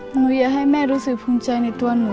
อยากให้แม่รู้สึกภูมิใจในตัวหนู